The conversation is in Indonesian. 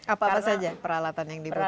apa saja peralatan yang dibutuhkan